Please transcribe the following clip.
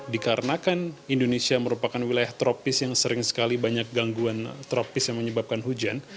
dikarenakan indonesia merupakan wilayah tropis yang sering sekali banyak gangguan tropis yang menyebabkan hujan